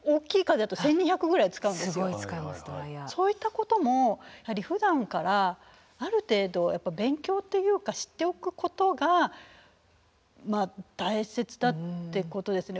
そういったこともやはりふだんからある程度勉強っていうか知っておくことがまあ大切だってことですね。